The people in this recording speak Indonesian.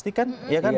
belas plastik kan